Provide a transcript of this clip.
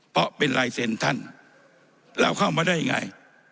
เพราะเป็นลายเซ็นต์ท่านเราเข้ามาได้ยังไง